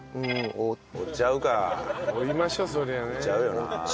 追っちゃうよな。